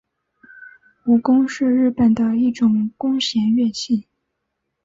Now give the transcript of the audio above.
胡弓是日本的一种弓弦乐器。